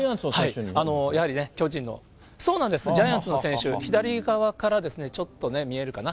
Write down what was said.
やはりね、そうなんです、ジャイアンツの選手、ちょっとね、見えるかな。